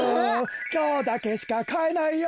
きょうだけしかかえないよ。